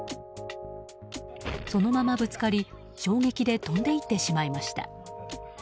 そのままぶつかり衝撃で飛んでいってしまいました。